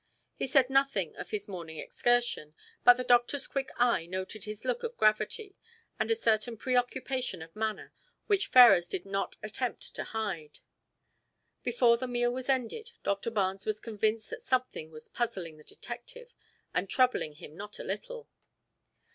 He said nothing of his morning excursion, but the doctor's quick eye noted his look of gravity, and a certain preoccupation of manner which Ferrars did not attempt to hide. Before the meal was ended Doctor Barnes was convinced that something was puzzling the detective, and troubling him not a little.